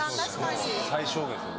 最小限ですね